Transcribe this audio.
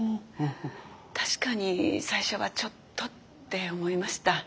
確かに最初はちょっとって思いました。